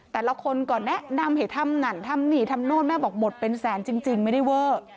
แต่ละคนก็แนะนำให้ทำนั่นทำนี่ทำโน่นแม่บอกหมดเป็นแสนจริงไม่ได้เวอร์